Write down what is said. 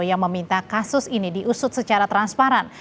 yang meminta kasus ini diusut secara transparan